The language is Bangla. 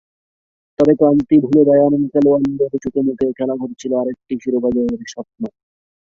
তবে ক্লান্তি ভুলে বায়ার্ন খেলোয়াড়দের চোখে-মুখে খেলা করছিল আরেকটি শিরোপা জয়ের স্বপ্ন।